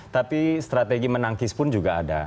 tapi strategi menangkis pun juga ada